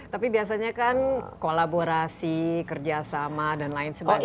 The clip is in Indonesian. tapi biasanya kan kolaborasi kerjasama dan lain sebagainya